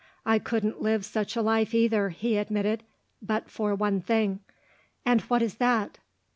"I couldn't live such a life either," he admitted, "but for one thing." "And what is that?"